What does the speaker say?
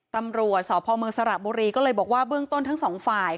ตำรวจสพเมืองสระบุรีก็เลยบอกว่าเบื้องต้นทั้งสองฝ่าย